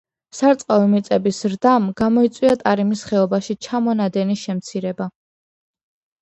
სარწყავი მიწების ზრდამ გამოიწვია ტარიმის ხეობაში ჩამონადენის შემცირება.